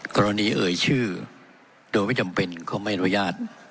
เอ่ยชื่อโดยไม่จำเป็นก็ไม่อนุญาต